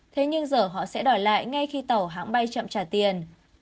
thế nhưng giờ họ sẽ đòi lại ngay khi tàu hãng bay chậm trả tiền